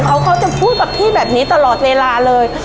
เขาเขาจะพูดกับพี่แบบนี้ตลอดเวลาเลย